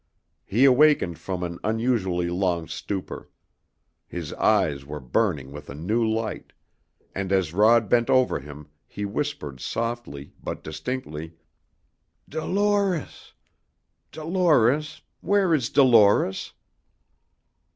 He awakened from an unusually long stupor. His eyes were burning with a new light, and as Rod bent over him he whispered softly, but distinctly, "Dolores Dolores Where is Dolores?"